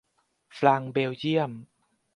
ฟรังก์เบลเยียม